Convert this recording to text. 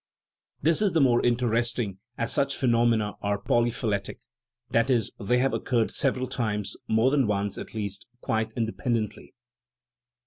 This is the more interesting as such phenomena are polyphy letic that is, they have occurred several times more than once, at least quite independently.